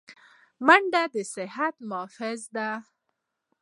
منډه د صحت محافظه ده